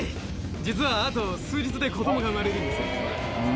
実はあと数日で子どもが生まれるんです。